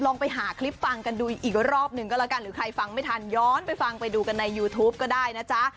ลองไปหาคลิปฟังกันดูอีกรอบหนึ่งก็แล้วกันหรือใครฟังไม่ทันย้อนไปฟังไปดูกันในยูทูปก็ได้นะจ๊ะ